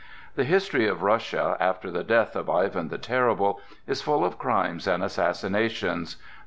The history of Russia, after the death of Ivan the Terrible, is full of crimes and assassinations.